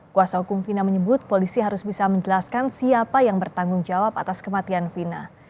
kuasa hukum fina menyebut polisi harus bisa menjelaskan siapa yang bertanggung jawab atas kematian vina